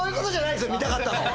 見たかったの。